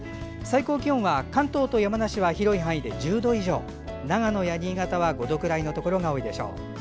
最高気温は関東と山梨は広い範囲で１０度以上長野や新潟は５度くらいのところが多いでしょう。